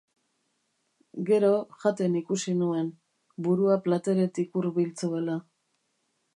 Gero, jaten ikusi nuen, burua plateretik hurbil zuela.